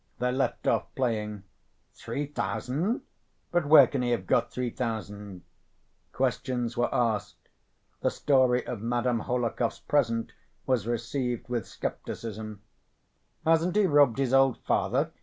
They left off playing. "Three thousand? But where can he have got three thousand?" Questions were asked. The story of Madame Hohlakov's present was received with skepticism. "Hasn't he robbed his old father?